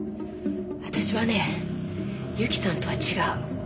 私はねユキさんとは違う。